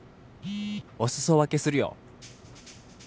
「お裾分けするよ」